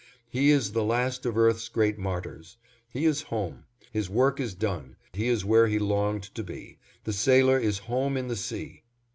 He is the last of Earth's great martyrs; he is home; his work is done; he is where he longed to be; the Sailor is Home in the Sea.